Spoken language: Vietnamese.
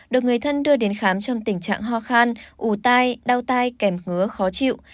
được người thân đưa đến khám trong tình trạng ho khan ủ tai đau tai kèm ngứa khó chịu